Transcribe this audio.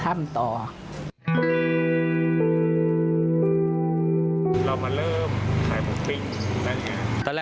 เรามาเริ่มขายหมูปิ้งนั่นเอง